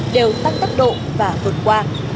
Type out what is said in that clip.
đều tăng tốc độ và vượt qua